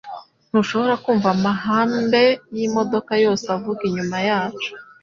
Ntushobora kumva amahembe yimodoka yose avuza inyuma yacu?